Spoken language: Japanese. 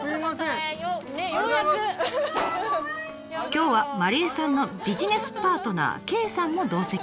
今日は麻梨絵さんのビジネスパートナー圭さんも同席。